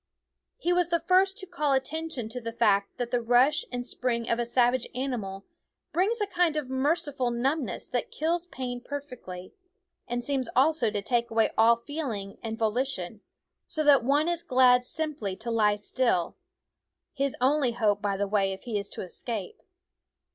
He was the first to call attention to 35 the fact that the rush and spring of a savage animal brings a kind of merciful numbness "9 'f t> StoR Slow me 7 * th t kills pa i n perfectly, and seems also to take away all feeling and volition; so that one is glad simply to lie still his only hope, by the way, if he is to escape.